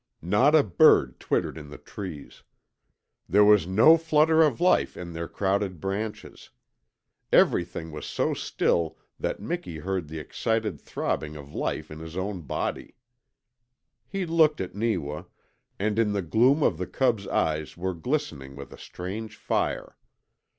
Not a bird twittered in the trees. There was no flutter of life in their crowded branches. Everything was so still that Miki heard the excited throbbing of life in his own body. He looked at Neewa, and in the gloom the cub's eyes were glistening with a strange fire.